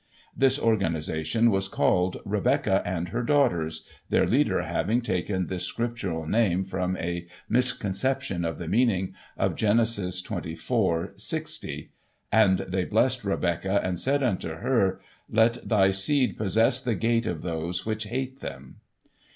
This organization was called " Rebecca and her daughters," their leader having taken this scriptural name from a mis conception of the meaning of Genesis xxiv., 60 :" And they blessed Rebekah, and said unto her. ...' let thy seed possess the gate of those which hate them.